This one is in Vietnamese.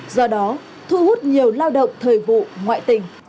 do đó thu hút nhiều lao động thời vụ ngoại tình